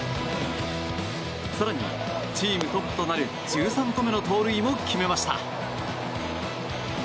更に、チームトップとなる１３個目の盗塁も決めました。